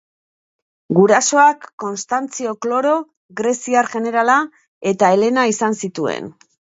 Gurasoak Konstantzio Kloro, greziar jenerala, eta Helena izan zituen.